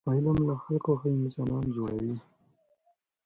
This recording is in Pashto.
علم له خلکو ښه انسانان جوړوي.